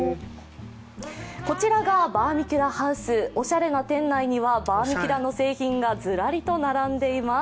こちらがバーミキュラハウスおしゃれな店内にはバーミキュラの製品がずらりと並んでいます。